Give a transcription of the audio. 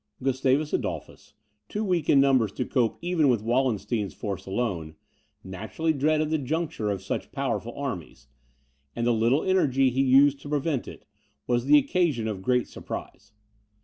Gustavus Adolphus, too weak in numbers to cope even with Wallenstein's force alone, naturally dreaded the junction of such powerful armies, and the little energy he used to prevent it, was the occasion of great surprise.